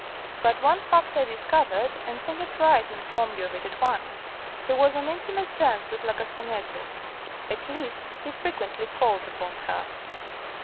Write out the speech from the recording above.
But one fact I discovered, and think it right to inform you of it at once. He was on intimate terms with La Castagneto at least, he frequently called upon her."